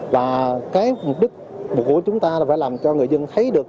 và cái mục đích của chúng ta là phải làm cho người dân thấy được